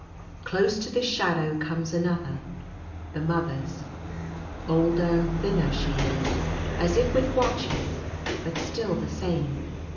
Close to this shadow comes another — the Mother's. Older and thinner she is, as if with watching, but still the same.